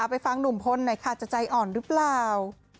ไปฟังหนุ่มพลในข้าจะใจอ่อนหรือเปล่า